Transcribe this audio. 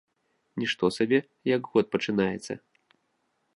Нішто сабе, як год пачынаецца!